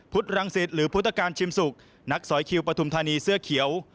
รังสิตหรือพุทธการชิมสุกนักสอยคิวปฐุมธานีเสื้อเขียว